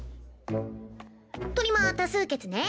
とりま多数決ね。